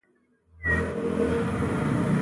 هیات ورغلی وو.